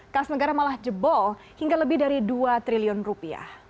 kas negara malah jebol hingga lebih dari dua triliun rupiah